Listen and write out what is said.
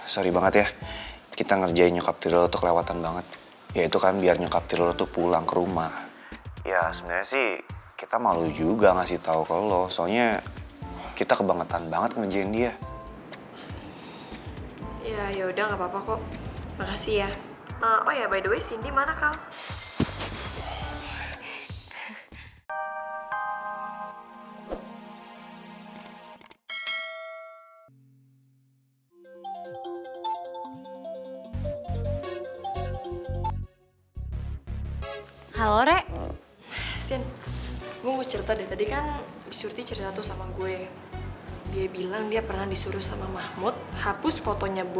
sampai jumpa di video selanjutnya